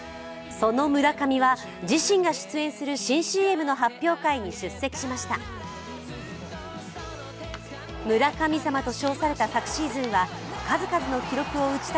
その村上は自身が出演する新ＣＭの発表会に出席しました。